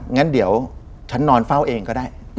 งั้นเดี๋ยวฉันนอนเฝ้าเองก็ได้